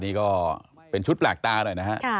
นี่ก็เป็นชุดแปลกตาหน่อยนะฮะ